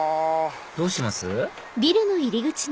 どうします？